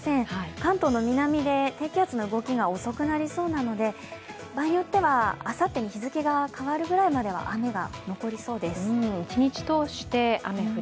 関東の南で低気圧の動きが遅くなりそうなので場合によってはあさって、日付が変わるくらいまでは雨が残りそうです。